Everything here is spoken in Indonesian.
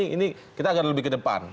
ini kita akan lebih ke depan